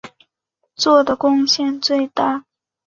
做的贡献最大。